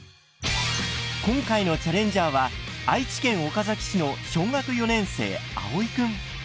今回のチャレンジャーは愛知県岡崎市の小学４年生あおいくん。